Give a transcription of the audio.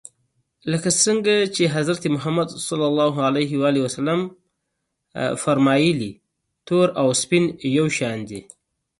لکه حضرت محمد ص و فرمایل تور او سپین یو شان دي.